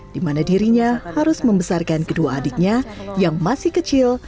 di mana dirinya harus membesarkan kedua adiknya yang masih kecil